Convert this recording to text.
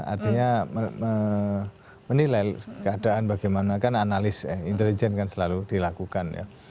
artinya menilai keadaan bagaimana kan analis intelijen kan selalu dilakukan ya